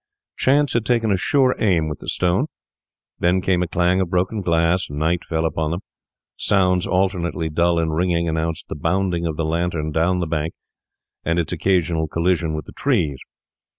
Chance had taken a sure aim with the stone. Then came a clang of broken glass; night fell upon them; sounds alternately dull and ringing announced the bounding of the lantern down the bank, and its occasional collision with the trees.